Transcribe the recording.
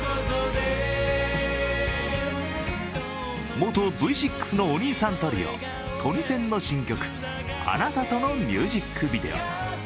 元Ｖ６のお兄さんトリオ、トニセンの新曲「あなたと」のミュージックビデオ。